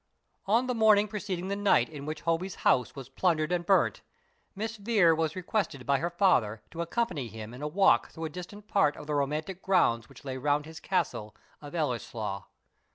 On the morning preceding the night in which Hobbie's house was plundered and burnt, Miss Vere was requested by her father to accompany him in a walk through a distant part of the romantic grounds which lay round his castle of Ellieslaw.